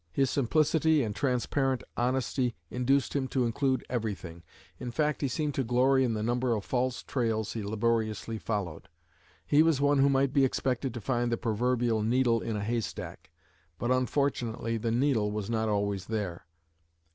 His simplicity and transparent honesty induced him to include everything, in fact he seemed to glory in the number of false trails he laboriously followed. He was one who might be expected to find the proverbial "needle in a haystack," but unfortunately the needle was not always there.